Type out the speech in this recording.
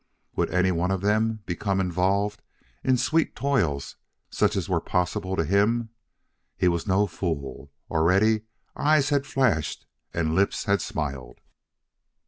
Would any one of them become involved in sweet toils such as were possible to him? He was no fool. Already eyes had flashed and lips had smiled.